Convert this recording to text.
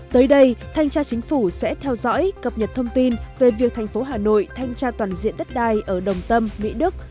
tới đây thanh tra chính phủ sẽ theo dõi cập nhật thông tin về việc thành phố hà nội thanh tra toàn diện đất đai ở đồng tâm mỹ đức